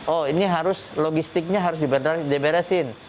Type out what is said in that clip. oh ini harus logistiknya harus diberesin